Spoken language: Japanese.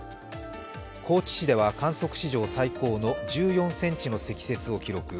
高知市では観測史上最高の１４ｃｍの積雪を記録。